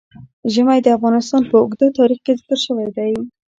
ژمی د افغانستان په اوږده تاریخ کې ذکر شوی دی.